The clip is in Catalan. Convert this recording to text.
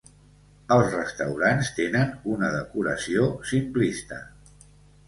Els restaurants tenen una decoració simplista.